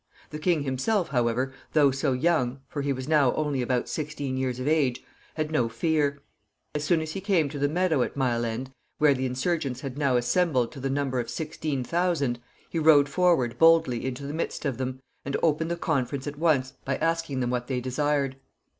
The king himself, however, though so young for he was now only about sixteen years of age had no fear. As soon as he came to the meadow at Mile End, where the insurgents had now assembled to the number of sixteen thousand, he rode forward boldly into the midst of them, and opened the conference at once by asking them what they desired.